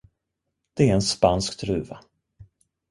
Det är en spansk druva.